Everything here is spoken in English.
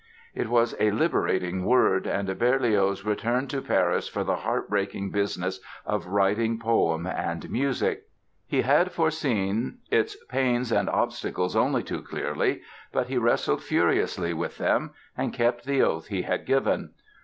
It was a liberating word and Berlioz returned to Paris for the heart breaking business of writing poem and music. He had foreseen its pains and obstacles only too clearly, but he wrestled furiously with them and kept the oath he had given.